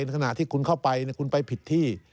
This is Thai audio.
ในขณะที่คุณเข้าไปเนี่ยคุณไปผิดที่